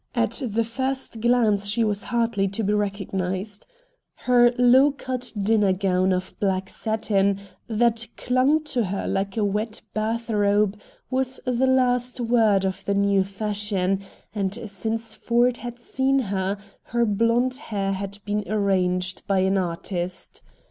At the first glance she was hardly be recognized. Her low cut dinner gown of black satin that clung to her like a wet bath robe was the last word of the new fashion; and since Ford had seen her her blond hair had been arranged by an artist.